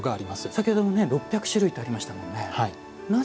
先ほども６００種類ってありましたもんね。